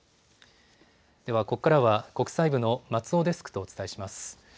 ではここからは国際部の松尾デスクとお伝えします。